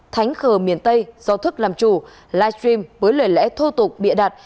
thánh khờ miền tây do thức làm chủ livestream với lời lẽ thô tục bịa đặt